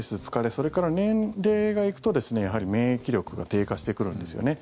それから年齢が行くとやはり免疫力が低下してくるんですよね。